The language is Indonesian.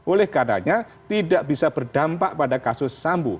oleh kadanya tidak bisa berdampak pada kasus sambu